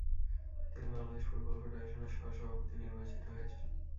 তিনি বাংলাদেশ ফুটবল ফেডারেশনের সহ-সভাপতি নির্বাচিত হয়েছেন।